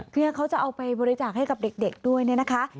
เพราะนี่เขาจะเอาไปบริจาคให้กับเด็กด้วยนะคะ